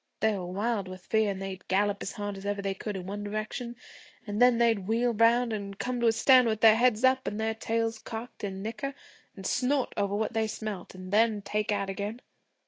They were wild with fear, an' they'd gallop as hard as ever they could in one direction, an' then they'd wheel 'round an' come to a stand with their heads up, an' their tails cocked, an' nicker, an' snort over what they smelt, an' then take out again.